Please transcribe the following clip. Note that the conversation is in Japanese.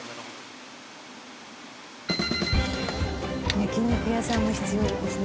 焼き肉屋さんも必要ですね。